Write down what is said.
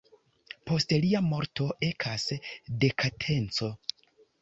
Post lia morto ekas dekadenco.